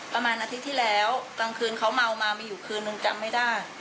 ประมาณอาทิตย์ที่แล้วกลางคืนเขาเมามามีอยู่คืนนึงจำไม่ได้